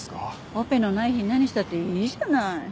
オペのない日に何したっていいじゃない。